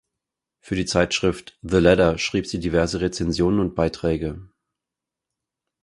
Für die Zeitschrift The Ladder schrieb sie diverse Rezensionen und Beiträge.